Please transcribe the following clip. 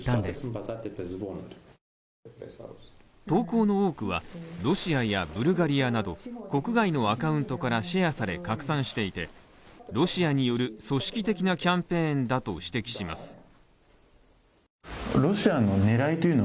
投稿の多くは、ロシアやブルガリアなど国外のアカウントからシェアされ拡散されていてロシアによる組織的なキャンペーンだと指摘します。